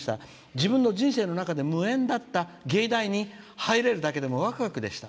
自分の人生の中で無縁だった藝大に入れるだけでワクワクでした。